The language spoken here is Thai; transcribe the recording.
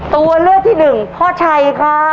ตัวเลือกที่หนึ่งพ่อชัยครับ